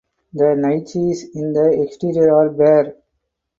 The niches in the exterior are bare.